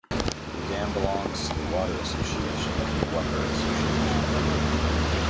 The dam belongs to the water association of the Wupper Association.